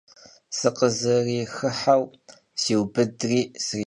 Sıkhızerıxıheu, sriudri srihejaş.